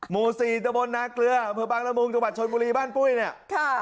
มูศรีตะบนนาเกลือเผอร์บังละมุงจังหวัดชนบุรีบ้านปุ้ยเนี่ย